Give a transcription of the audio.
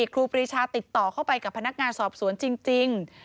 ครูปรีชาติดต่อเข้าไปกับพนักงานสอบสวนจริง